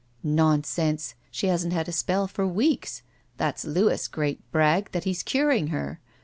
"Nonsense! She hasn't had a spell for weeks. That's Louis' great brag, that he's curing her.